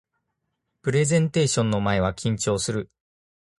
プレゼンテーションの前は緊張する